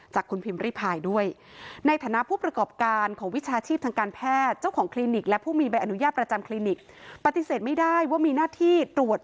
จากคุณพิมพ์ริพายด้วยในฐานะผู้ประกอบการของวิชาชีพทางการแพทย์